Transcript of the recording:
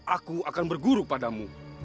aku akan berguru padamu